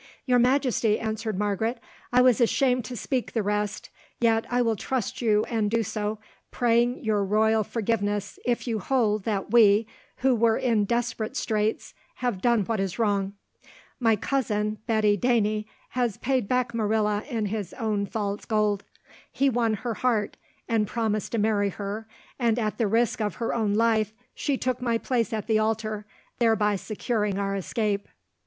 "Your Majesty," answered Margaret, "I was ashamed to speak the rest, yet I will trust you and do so, praying your royal forgiveness if you hold that we, who were in desperate straits, have done what is wrong. My cousin, Betty Dene, has paid back Morella in his own false gold. He won her heart and promised to marry her, and at the risk of her own life she took my place at the altar, thereby securing our escape."